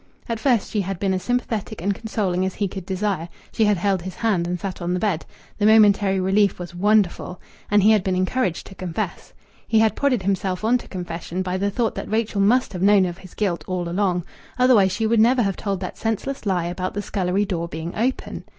At first she had been as sympathetic and consoling as he could desire. She had held his hand and sat on the bed. The momentary relief was wonderful. And he had been encouraged to confess. He had prodded himself on to confession by the thought that Rachel must have known of his guilt all along otherwise she would never have told that senseless lie about the scullery door being open.